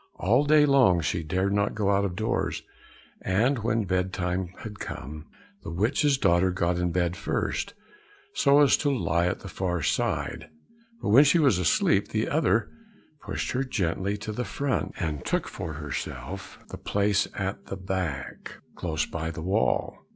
All day long she dared not go out of doors, and when bed time had come, the witch's daughter got into bed first, so as to lie at the far side, but when she was asleep, the other pushed her gently to the front, and took for herself the place at the back, close by the wall.